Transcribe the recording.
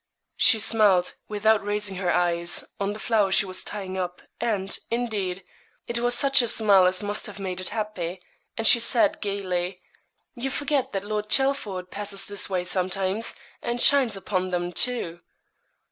She smiled without raising her eyes on the flower she was tying up; and, indeed, it was such a smile as must have made it happy and she said, gaily 'You forget that Lord Chelford passes this way sometimes, and shines upon them, too.'